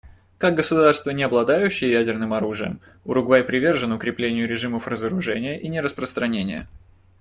Как государство, не обладающее ядерным оружием, Уругвай привержен укреплению режимов разоружения и нераспространения.